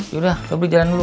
yaudah lo beli jalan dulu